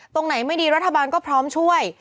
ตรงไหนไม่ดีรัฐบาลก็พร้อมช่วย